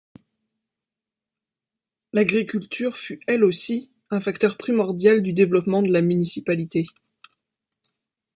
L'agriculture fut, elle aussi, un facteur primordial du développement de la municipalité.